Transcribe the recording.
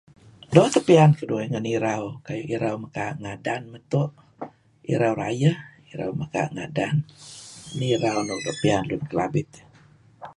Doo' teh piyan keduih ngen irau kayu' Irau Mekaa' Ngadan meto', Irau Rayeh, Irau Mekaa' Ngadan (screeching sound) nih irau nuk doo' piyan Lun Kelabit.